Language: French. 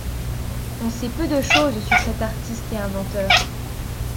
On sait peu de chose sur cet artiste et inventeur.